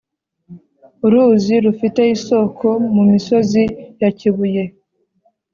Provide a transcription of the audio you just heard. uruzi rufite isoko mu misozi ya kibuye.